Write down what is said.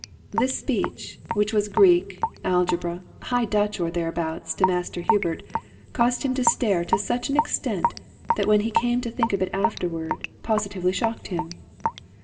This speech, which was Greek, algebra, high Dutch, or thereabouts, to Master Hubert, caused him to stare to such an extent, that when he came to think of it afterward, positively shocked him.